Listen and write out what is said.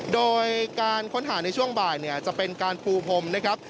โดยการค้นหาในช่วงบ่ายเนี่ยจะเป็นการปูพรมนะครับ